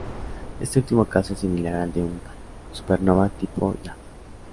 Este último caso es similar al de una supernova tipo Ia.